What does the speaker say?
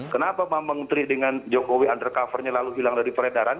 kenapa pak menteri dengan jokowi undercovernya lalu hilang dari peredaran